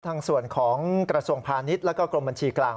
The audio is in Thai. ทั้งส่วนของกระทรวงพาณิษฐ์และกลมบัญชีกลาง